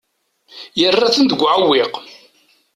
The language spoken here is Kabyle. Yerra-ten deg uɛewwiq.